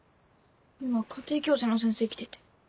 今家庭教師の先生来てて。